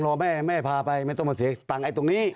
เพราะว่าแม่พาไปไม่ต้องมาเสียทั้งตัวนี้